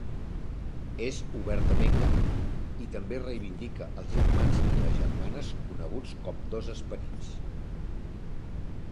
És obertament gai i també reivindica els germans i les germanes coneguts com dos esperits.